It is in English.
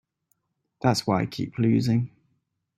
That's why I keep losing.